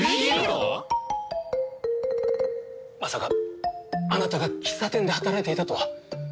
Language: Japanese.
まさかあなたが喫茶店で働いていたとは。